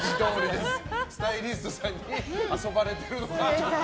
スタイリストさんに遊ばれてる。